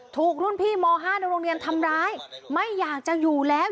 ถูกรุ่นพี่ม๕ในโรงเรียนทำร้ายไม่อยากจะอยู่แล้ว